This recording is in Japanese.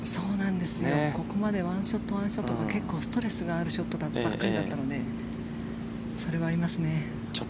ここまで１ショット、１ショットが結構ストレスがあるショットばかりなのでそれはありますね。